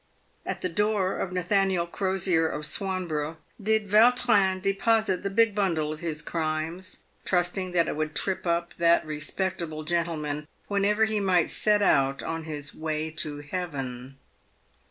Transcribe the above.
At the door of Nathaniel Crosier of Swanborough did Vautrin deposit the big bundle of his crimes, trusting that it would trip up that respectable gentleman whenever he might set out on his way to heaven.